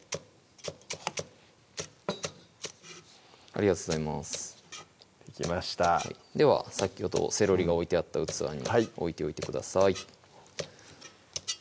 ありがとうございますできましたでは先ほどセロリが置いてあった器に置いておいてください